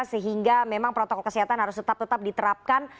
sehingga memang protokol kesehatan harus tetap tetap diterapkan